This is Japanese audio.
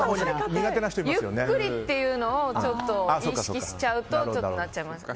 ゆっくりというのをちょっと意識しちゃうとこうなっちゃいました。